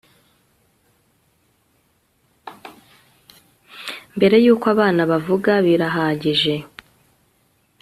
mbere yuko abana bavuga birahagije